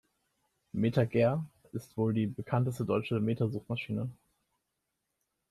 MetaGer ist die wohl bekannteste deutsche Meta-Suchmaschine.